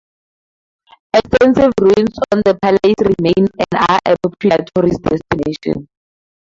Extensive ruins of the palace remain, and are a popular tourist destination.